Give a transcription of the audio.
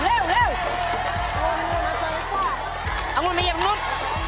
เอาหนูมาเหยียบอันนู้น